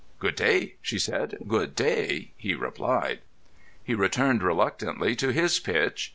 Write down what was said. "Good day!" she said. "Good day!" he replied. He returned reluctantly to his pitch.